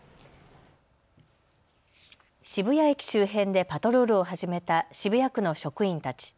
渋谷駅周辺でパトロールを始めた渋谷区の職員たち。